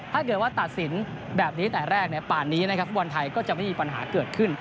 ถ้าเกิดว่าตัดสินแบบนี้แต่แรกป่านนี้นะครับฟุตบอลไทยก็จะไม่มีปัญหาเกิดขึ้น